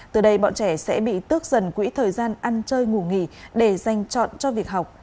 từ đây bọn trẻ sẽ bị tước dần quỹ thời gian ăn chơi ngủ nghỉ để dành chọn cho việc học